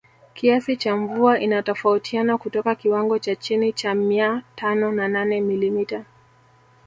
Kiasi cha mvua inatofautiana kutoka kiwango cha chini cha mia tano na nane milimita